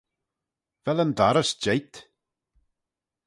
Vel yn dorrys jeight?